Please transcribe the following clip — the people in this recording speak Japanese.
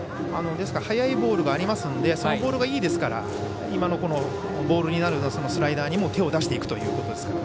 速いボールがありますのでそのボールがいいですから、今のボールになるスライダーにも手を出していくということです。